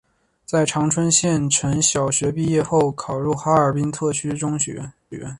在长春县城小学毕业后考入哈尔滨特区中学。